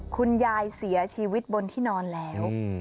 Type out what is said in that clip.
คุณยายเสียชีวิตบนที่นอนแล้ว